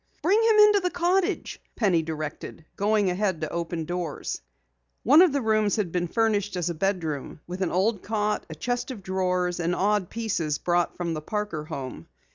"Bring him into the cottage," Penny directed, going ahead to open doors. One of the rooms had been furnished as a bedroom with an old cot, a chest of drawers and odd pieces brought from the Parker home.